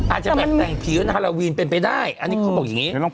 อาจจะเป็นวิวทีมาของ